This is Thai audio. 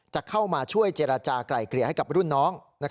จะเข้ามาช่วยเจรจากลายเกลี่ยให้กับรุ่นน้อง